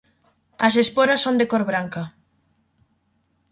As esporas son de cor branca.